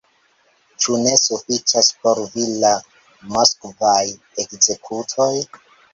Ĉu ne sufiĉas por vi la moskvaj ekzekutoj?